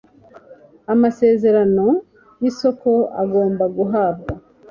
Amasezerano y isoko agomba guhabwa